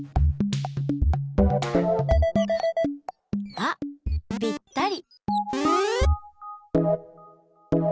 あっぴったり！